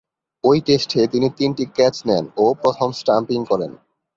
ঐ টেস্টে তিনি তিনটি ক্যাচ নেন ও প্রথম স্ট্যাম্পিং করেন।